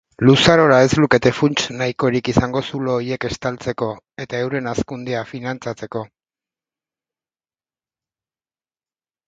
Luzarora ez lukete funts nahikorik izango zulo horiek estaltzeko eta euren hazkundea finantzatzeko.